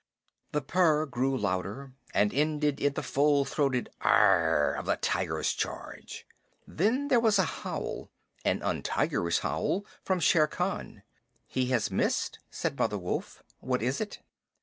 The purr grew louder, and ended in the full throated "Aaarh!" of the tiger's charge. Then there was a howl an untigerish howl from Shere Khan. "He has missed," said Mother Wolf. "What is it?"